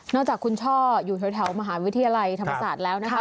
จากคุณช่ออยู่แถวมหาวิทยาลัยธรรมศาสตร์แล้วนะคะ